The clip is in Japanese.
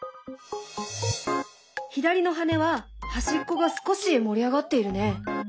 左の羽は端っこが少し盛り上がっているね。